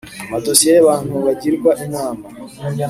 amadosiye y’abantu bagirwa inama,